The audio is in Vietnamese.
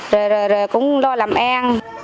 rồi rồi rồi cũng lo làm em